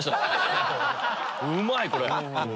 うまいこれ。